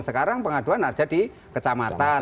sekarang pengaduan ada di kecamatan